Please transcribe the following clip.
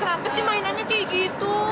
kenapa sih mainannya kayak gitu